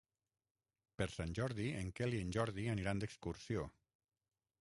Per Sant Jordi en Quel i en Jordi aniran d'excursió.